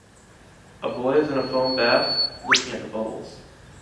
A boy is in a foam bath? Looking at the bubbles.